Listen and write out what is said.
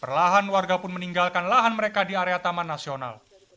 perlahan warga pun meninggalkan lahan mereka di area taman nasional